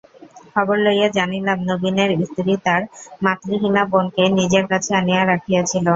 খবর লইয়া জানিলাম, নবীনের স্ত্রী তার মাতৃহীনা বোনকে নিজের কাছে আনিয়া রাখিয়াছিল।